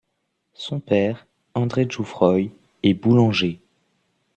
Son père, André Jouffroy, est boulanger.